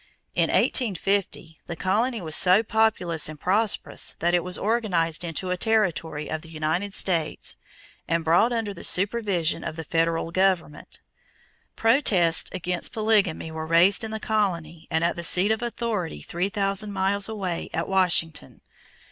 In 1850 the colony was so populous and prosperous that it was organized into a territory of the United States and brought under the supervision of the federal government. Protests against polygamy were raised in the colony and at the seat of authority three thousand miles away at Washington.